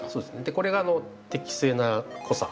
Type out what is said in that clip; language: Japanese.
これが適正な濃さ。